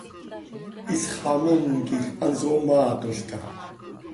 Isxamón quij hanso maatolca.